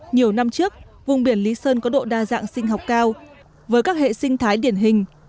nhiều năm trước vùng biển lý sơn có độ đa dạng sinh học cao với các hệ sinh thái điển hình